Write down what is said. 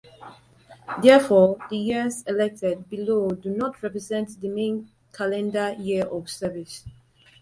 Therefore, the years 'Elected' below do not represent the main calendar year of service.